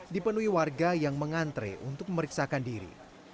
dipenuhi warga yang mengantre untuk memeriksakan diri